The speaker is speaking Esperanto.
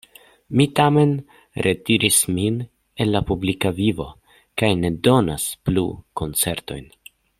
Mi tamen retiris min el la publika vivo kaj ne donas plu koncertojn.